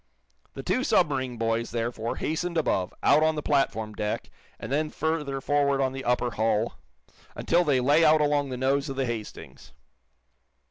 The two submarine boys, therefore, hastened above, out on the platform deck, and then further forward on the upper hull, until they lay out along the nose of the "Hastings."